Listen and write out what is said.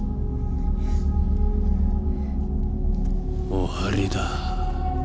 終わりだ。